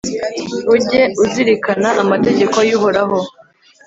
ujye uzirikana amategeko y'uhoraho